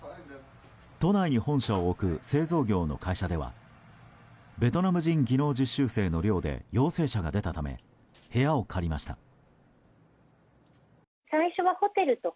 都内に本社を置く製造業の会社ではベトナム人技能実習生の寮で陽性者が出たため部屋を借りました。